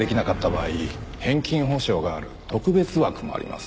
返金保証がある特別枠もあります。